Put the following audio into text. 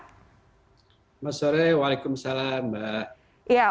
selamat sore waalaikumsalam mbak